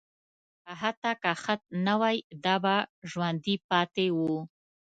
حتی که خط نه وای، دا به ژوندي پاتې وو.